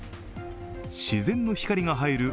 自然の光が入る